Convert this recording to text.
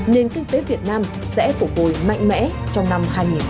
nền kinh tế việt nam sẽ phục hồi mạnh mẽ trong năm hai nghìn hai mươi